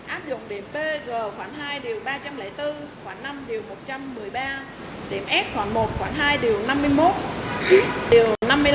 áp dụng điểm pg khoảng hai điều ba trăm linh bốn khoảng năm điều một trăm một mươi ba điểm f khoảng một khoảng hai điều năm mươi một điều năm mươi năm